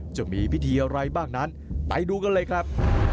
จะมีพิธีอะไรบ้างนั้นไปดูกันเลยครับ